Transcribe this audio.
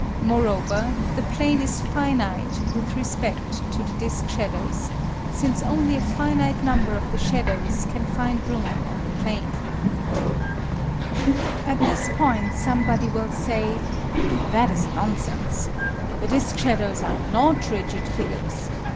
Moreover, the plane is finite with respect to the disc shadows, since only a finite number of the shadows can find room on the plane. At this point somebody will say, "That is nonsense. The disc shadows are not rigid figures.